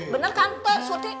bener kan teh surti